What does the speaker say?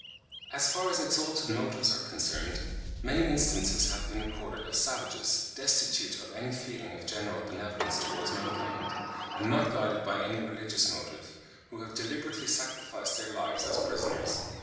As far as exalted motives are concerned, many instances have been recorded of savages, destitute of any feeling of general benevolence towards mankind, and not guided by any religious motive, who have deliberately sacrificed their lives as prisoners(26.